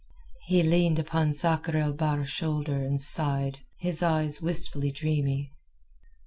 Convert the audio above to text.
He leaned upon Sakr el Bahr's shoulder and sighed, his eyes wistfully dreamy.